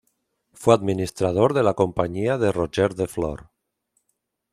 Fue administrador de la Compañía de Roger de Flor.